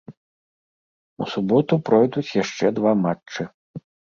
У суботу пройдуць яшчэ два матчы.